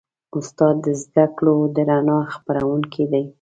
استاد د زدهکړو د رڼا خپروونکی دی.